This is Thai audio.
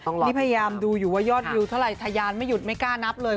นี่พยายามดูอยู่ว่ายอดวิวเท่าไรทะยานไม่หยุดไม่กล้านับเลย